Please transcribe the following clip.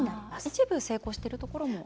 一部成功しているところも？